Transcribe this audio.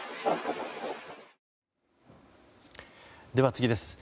次です。